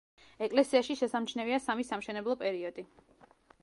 ეკლესიაში შესამჩნევია სამი სამშენებლო პერიოდი.